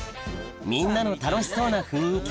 みんなの楽しそうな雰囲気